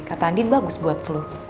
kata andin bagus buat flu